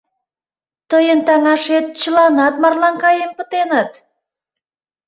Тыйын таҥашет чыланат марлан каен пытеныт...